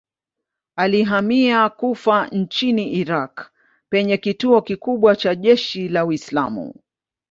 Alihamia Kufa nchini Irak penye kituo kikubwa cha jeshi la Uislamu.